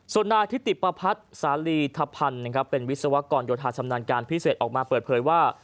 ส่วนนายทิติประพัฒน์สาลีทพันธ์เป็นวิศวกรโยธาชำนาญการพิเศษออกมาเปิดเผยว่า